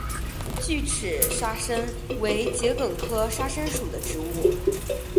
锯齿沙参为桔梗科沙参属的植物。